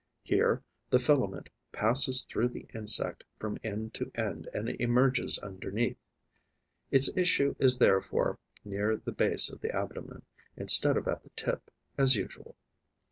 Here the filament passes through the insect from end to end and emerges underneath. Its issue is therefore near the base of the abdomen, instead of at the tip, as usual.